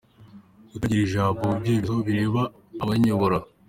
Kutagira ijambo mu byemezo bireba abanyobora